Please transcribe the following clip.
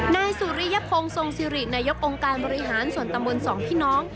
แน่สุริยะโพงสวงสริรินายกองค์การบริหารสวนตำรวจสองพี่น้อง